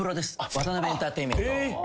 ワタナベエンターテインメント。